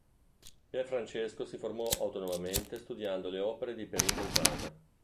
Pier Francesco si formò autonomamente studiando le opere di Perin del Vaga.